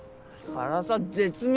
辛さ絶妙。